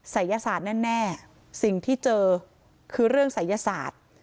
ศัยศาสตร์แน่สิ่งที่เจอคือเรื่องศัยศาสตร์